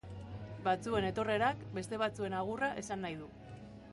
Batzuen etorrerak, beste batzuen agurra esan nahi du.